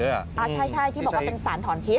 ใช่ที่บอกว่าเป็นสารถอนพิษ